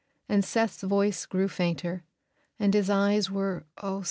And Seth's voice grew fainter, and his eyes were, oh!